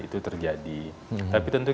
itu terjadi tapi tentu